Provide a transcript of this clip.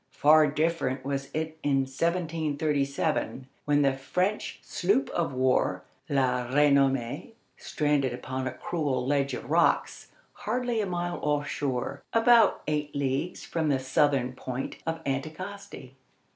Far different was it in 1737, when the French sloop of war La Renommée stranded upon a cruel ledge of rocks, hardly a mile off shore, about eight leagues from the southern point of Anticosti.